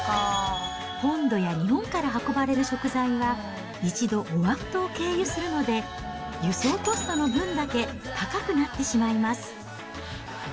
本土や日本から運ばれる食材は１度オアフ島を経由するので、輸送コストの分だけ高くなってしまいます。